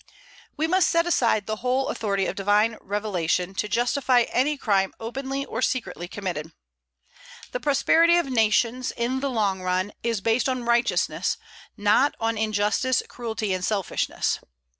We must set aside the whole authority of divine revelation, to justify any crime openly or secretly committed. The prosperity of nations, in the long run, is based on righteousness; not on injustice, cruelty, and selfishness.